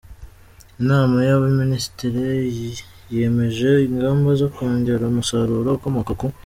Inama y‟Abaminisitiri yemeje ingamba zo kongera umusaruro ukomoka ku